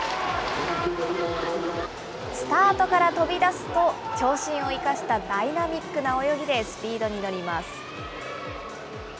スタートから飛び出すと、長身を生かしたダイナミックな泳ぎでスピードに乗ります。